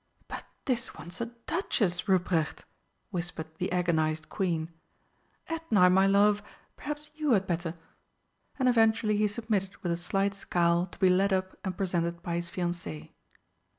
"But this one's a Duchess, Ruprecht!" whispered the agonised Queen. "Edna, my love, perhaps you had better " and eventually he submitted with a slight scowl to be led up and presented by his fiancée.